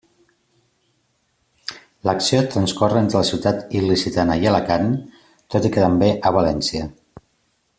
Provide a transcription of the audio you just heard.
L'acció transcorre entre la ciutat il·licitana i Alacant, tot i que també a València.